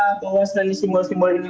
untuk intinya bahwasanya simbol simbol ini